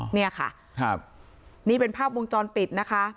เนี่ยค่ะครับนี่เป็นภาพวงจรปิดนะคะ